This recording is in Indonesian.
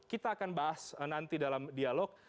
kita akan bahas nanti dalam dialog